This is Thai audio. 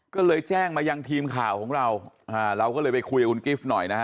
ก็เลยแจ้งมายังทีมข่าวของเราเราก็เลยไปคุยกับคุณกิฟต์หน่อยนะฮะ